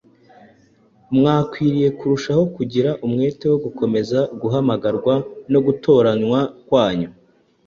Mukwiriye kurushaho kugira umwete wo gukomeza guhamagarwa no gutoranywa kwanyu;